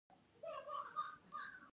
د قدرت عجایب نه ختمېدونکي دي.